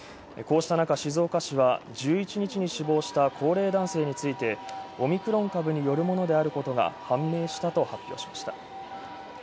こうした中、静岡市は１１日に死亡した高齢男性についてオミクロン株によるものであることが判明したと発表しました。